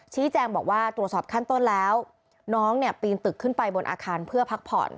ชี้แจงบอกว่าตรวจสอบขั้นต้นแล้วน้องเนี่ยปีนตึกขึ้นไปบนอาคารเพื่อพักผ่อน